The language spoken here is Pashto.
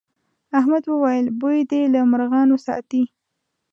احمد وويل: بوی دې له مرغانو ساتي.